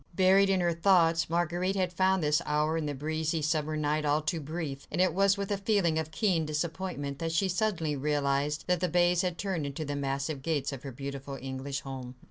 Buried in her thoughts, Marguerite had found this hour in the breezy summer night all too brief; and it was with a feeling of keen disappointment, that she suddenly realised that the bays had turned into the massive gates of her beautiful English home.